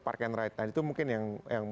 park and ride nah itu mungkin yang